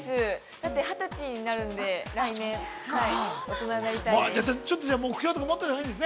だって二十歳になるんで、来年、大人になりたいです。